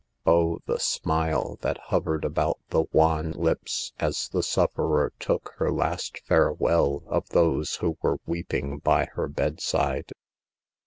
Oh, the smile that hovered about the wan lips as the sufferer took her last farewell of those who were weeping by her bedside.